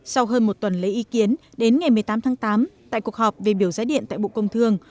sau hơn một tuần lấy ý kiến đến ngày một mươi tám tháng tám tại cuộc họp về biểu giá điện tại bộ công thương